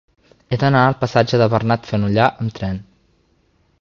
He d'anar al passatge de Bernat Fenollar amb tren.